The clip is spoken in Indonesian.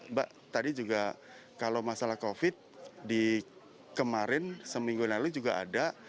mbak tadi juga kalau masalah covid di kemarin seminggu lalu juga ada